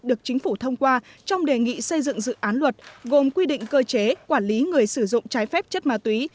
được chính phủ thông qua trong đề nghị xây dựng dự án luật gồm quy định cơ chế quản lý người sử dụng trái phép chất ma túy